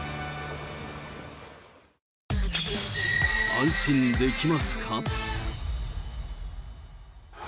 安心できますか？